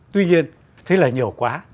tuy nhiên thế là nhiều quá